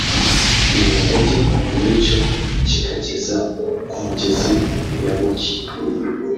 ruri hagati muri cyo kikageza ku mugezi yaboki